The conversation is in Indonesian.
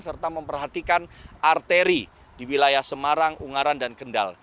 serta memperhatikan arteri di wilayah semarang ungaran dan kendal